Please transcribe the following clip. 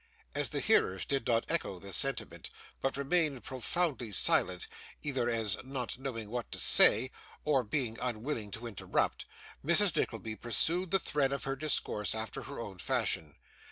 As the hearers did not echo this sentiment, but remained profoundly silent, either as not knowing what to say, or as being unwilling to interrupt, Mrs. Nickleby pursued the thread of her discourse after her own fashion.